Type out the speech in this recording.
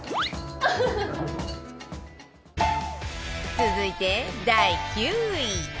続いて第９位